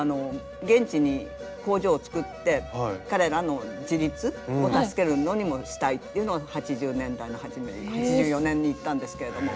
現地に工場をつくって彼らの自立を助けるのにもしたいっていうのを８０年代の初め８４年に行ったんですけれども。